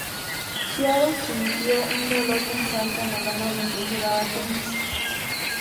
Chiara sintió un dolor punzante en el hombro mientras jugaba tenis.